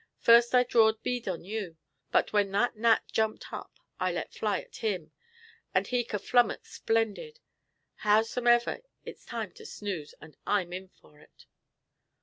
First I drawed bead on you, but when that Nat jumped up, I let fly at him, and he kerflummuxed splendid. Howsumever, it's time to snooze, and I'm in for it."